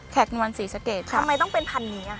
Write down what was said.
แขกนวันศรีสะเกดค่ะทำไมต้องเป็นพันธุ์นี้อะ